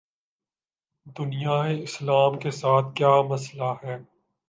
دنیائے اسلام کے ساتھ کیا مسئلہ ہے؟